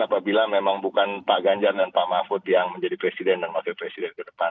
apabila memang bukan pak ganjar dan pak mahfud yang menjadi presiden dan wakil presiden ke depan